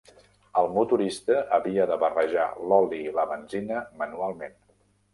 El motorista havia de barrejar l'oli i la benzina manualment.